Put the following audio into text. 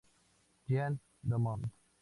Jean Dumont